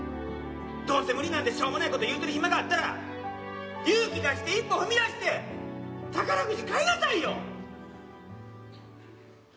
「どうせ無理」なんてしょうもないこと言うてる暇があったら勇気出して一歩踏み出して宝くじ買いなさいよ。